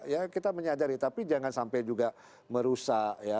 ya kita menyadari tapi jangan sampai juga merusak ya